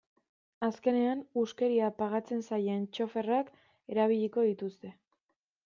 Azkenean, huskeria pagatzen zaien txoferrak erabiliko dituzte.